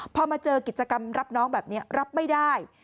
พอมาเจอกิจกรรมรับน้องแบบนี้รับไม่ได้